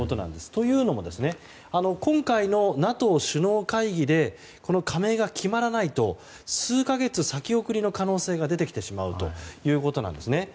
というのも今回のＮＡＴＯ首脳会議でこの加盟が決まらないと数か月先送りの可能性が出てきてしまうということなんですね。